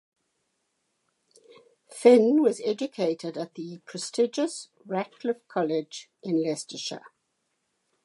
Fin was educated at the prestigious Ratcliffe College in Leicestershire.